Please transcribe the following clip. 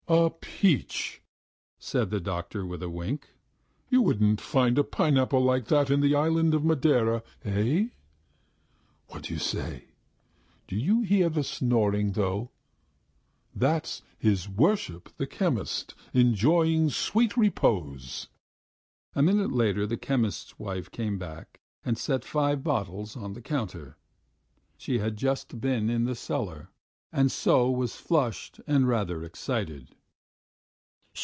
"A peach!" said the doctor, with a wink. "You wouldn't find a pineapple like that in the island of Madeira! Eh? What do you say? Do you hear the snoring, though? That's his worship the chemist enjoying sweet repose." A minute later the chemist's wife came back and set five bottles on the counter. She had just been in the cellar, and so was flushed and rather excited.